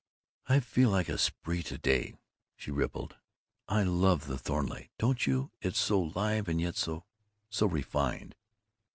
"I felt like a spree to day," she rippled. "I love the Thornleigh, don't you? It's so live and yet so so refined."